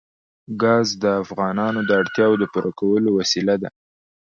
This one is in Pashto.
ګاز د افغانانو د اړتیاوو د پوره کولو وسیله ده.